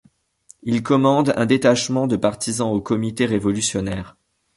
Il commande un détachement de partisans au comité révolutionnaire.